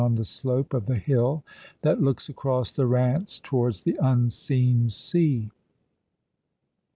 on the slope of tlie liill that looks across the Eance towards the unseen sea.